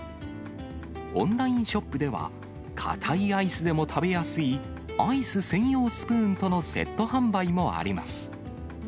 オンラインショップでは、硬いアイスでも食べやすい、アイス専用スプーンとのセット販売もあります。